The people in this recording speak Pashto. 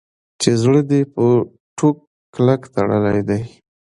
چې زړه دې په ټوک کلک تړلی دی.